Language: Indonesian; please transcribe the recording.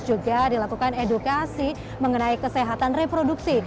juga dilakukan edukasi mengenai kesehatan reproduksi